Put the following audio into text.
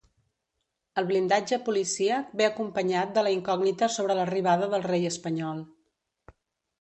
El blindatge policíac ve acompanyat de la incògnita sobre l’arribada del rei espanyol.